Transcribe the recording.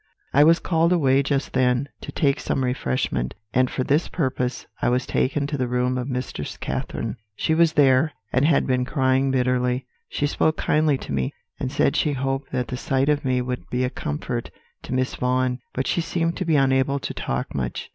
"I was called away just then, to take some refreshment, and for this purpose I was taken to the room of Mistress Catherine. She was there, and had been crying bitterly; she spoke kindly to me, and said she hoped that the sight of me would be a comfort to Miss Vaughan; but she seemed to be unable to talk much.